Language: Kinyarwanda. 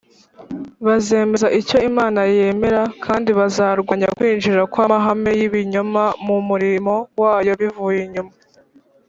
bazemeza icyo imana yemera, kandi bazarwanya kwinjira kw’amahame y’ibinyoma mu murimo wayo bivuye inyuma.